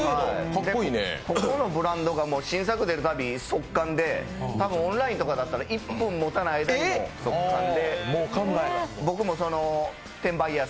ここのブランド、新作が出るたび即完で多分オンラインとかだったら１分もたない間に完売で。